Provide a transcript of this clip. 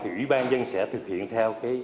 thì ủy ban dân sẽ thực hiện theo